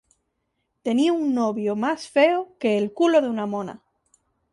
Tenía un novio más feo que el culo de una mona